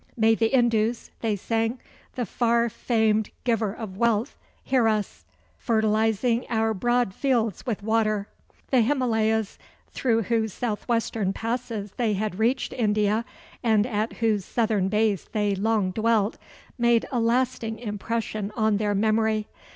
"May the Indus," they sang, "the far famed giver of wealth, hear us; [fertilizing our] broad fields with water." The Himalayas, through whose southwestern passes they had reached India, and at whose southern base they long dwelt, made a lasting impression on their memory.